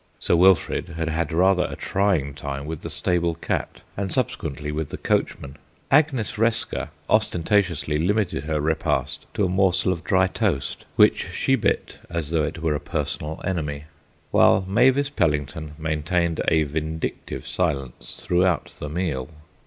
Sir Wilfrid had had rather a trying time with the stable cat and subsequently with the coachman. Agnes Resker ostentatiously limited her repast to a morsel of dry toast, which she bit as though it were a personal enemy; while Mavis Pellington maintained a vindictive silence throughout the meal.